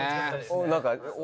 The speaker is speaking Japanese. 何か。